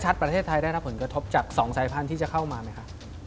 ประเทศไทยได้รับผลกระทบจาก๒สายพันธุ์ที่จะเข้ามาไหมคะ